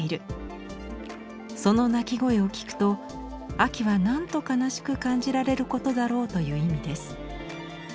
その鳴き声をきくと秋はなんとかなしく感じられることだろうという意味です。